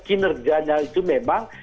kinerjanya itu memang